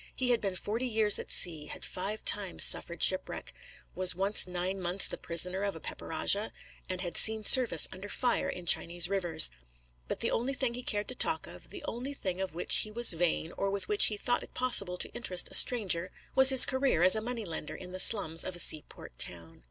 He had been forty years at sea, had five times suffered shipwreck, was once nine months the prisoner of a pepper rajah, and had seen service under fire in Chinese rivers; but the only thing he cared to talk of, the only thing of which he was vain, or with which he thought it possible to interest a stranger, was his career as a money lender in the slums of a seaport town.